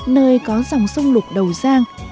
nơi có dòng sông lục đầu sang